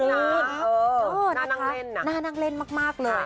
หน้านั่งเล่นน่ะหน้านั่งเล่นมากเลย